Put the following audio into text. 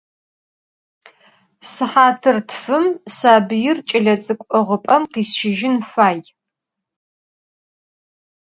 Sıhatı tfım sabıir ç'eletsık'u 'ığıp'em khisşıjın fay.